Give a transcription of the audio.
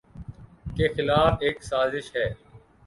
کے خلاف ایک سازش ہے۔